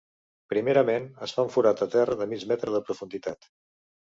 Primerament, es fa un forat a terra de mig metre de profunditat.